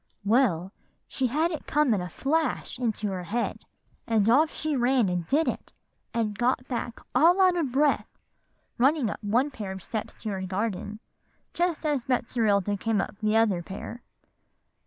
"Well, she had it come in a flash into her head; and off she ran and did it, and got back all out of breath, running up one pair of steps to her garden, just as Betserilda came up the other pair.